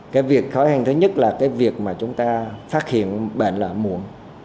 cái việc khó khăn thứ nhất là cái việc mà chúng ta phát hiện bệnh lợi muộn